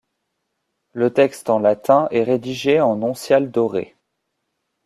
Le texte en latin est rédigé en onciales dorées.